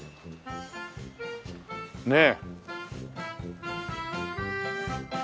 ねえ。